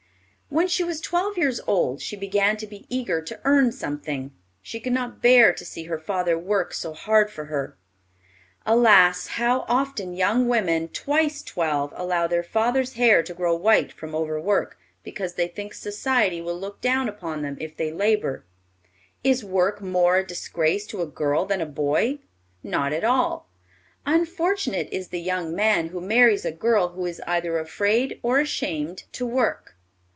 When she was twelve years old she began to be eager to earn something. She could not bear to see her father work so hard for her. Alas! how often young women, twice twelve, allow their father's hair to grow white from overwork, because they think society will look down upon them if they labor. Is work more a disgrace to a girl than a boy? Not at all. Unfortunate is the young man who marries a girl who is either afraid or ashamed to work.